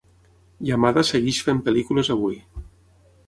Yamada segueix fent pel·lícules avui.